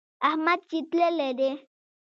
احمد چې تللی دی.